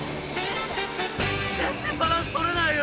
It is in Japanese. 全然バランス取れないよ。